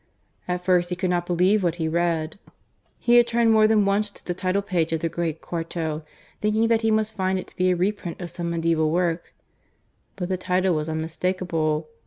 At first he could not believe what he read. He had turned more than once to the title page of the great quarto, thinking that he must find it to be a reprint of some medieval work. But the title was unmistakable.